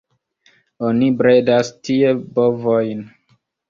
Oni bredas tie bovojn.